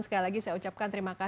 sekali lagi saya ucapkan terima kasih